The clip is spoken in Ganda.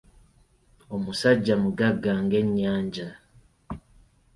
Omusajja mugagga nga Ennyanja.